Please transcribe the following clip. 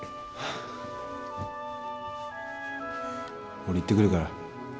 俺行ってくるから。